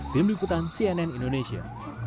tim liputan cnn indonesia